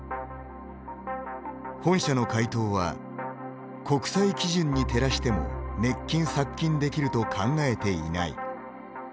本社の回答は国際基準に照らしても滅菌、殺菌できると考えていない。